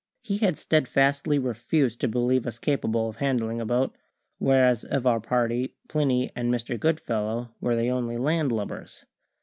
He had steadfastly refused to believe us capable of handling a boat, whereas of our party Plinny and Mr. Goodfellow were the only landlubbers.